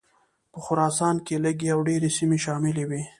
په خراسان کې لږې او ډېرې سیمې شاملي وې.